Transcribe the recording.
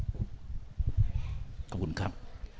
ขอบคุณครับ